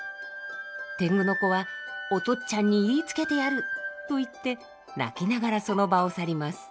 天狗の子は「おとっちゃんに言いつけてやる！」と言って泣きながらその場を去ります。